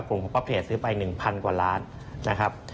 กลุ่มป๊อปเทศซื้อไป๑๐๐๐กว่าล้านนะครับ